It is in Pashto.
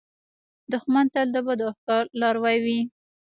دښمن تل د بدو افکارو لاروي وي